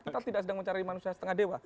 kita tidak sedang mencari manusia setengah dewa